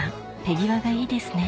手際がいいですね